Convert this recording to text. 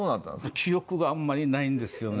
記憶があんまりないんですよね